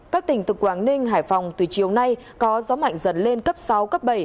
các tỉnh từ quảng ninh hải phòng từ chiều nay có gió mạnh dần lên cấp sáu cấp bảy